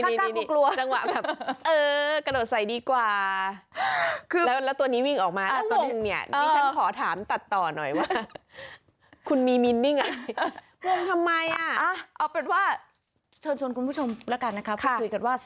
มีจังหวะกระโดดเหยียงด้วยนะ